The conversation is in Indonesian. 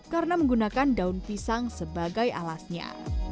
karena menggunakan daun pisang sebagai alasnya